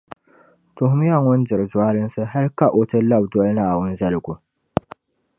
Tuhimi ya ŋun diri zualinsi hali ka o ti labi doli Naawuni zaligu.